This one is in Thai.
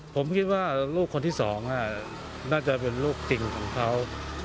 ผมคิดว่าลูกคนที่สองน่าจะเป็นลูกจริงของเขา